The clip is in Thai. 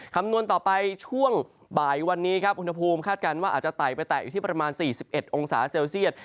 คำนวณต่อไปช่วงบ่ายวันนี้ครับอุณหภูมิคาดการณ์ว่าอาจจะไต่ไปแตะอยู่ที่ประมาณ๔๑องศาเซลเซียต